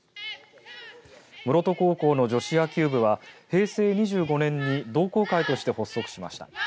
室戸高校の女子野球部は平成２５年に同好会として発足しました。